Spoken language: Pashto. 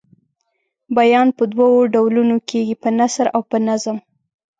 بیان په دوو ډولونو کیږي په نثر او په نظم.